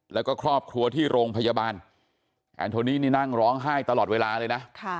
แล้วก็ครอบครัวที่โรงพยาบาลแอนโทนี่นี่นั่งร้องไห้ตลอดเวลาเลยนะ